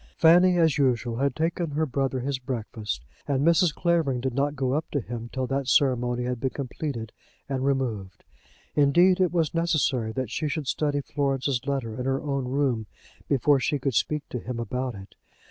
Fanny, as usual, had taken her brother his breakfast, and Mrs. Clavering did not go up to him till that ceremony had been completed and removed. Indeed it was necessary that she should study Florence's letter in her own room before she could speak to him about it.